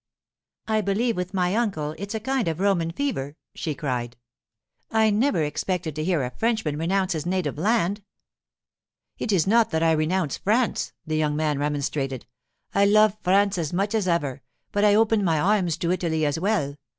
'I believe, with my uncle, it's a kind of Roman fever!' she cried. 'I never expected to hear a Frenchman renounce his native land.' 'It is not that I renounce France,' the young man remonstrated. 'I lofe France as much as ever, but I open my arms to Italy as well.